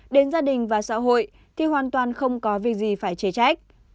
đến gia đình và xã hội thì hoàn toàn không có việc gì phải chê trách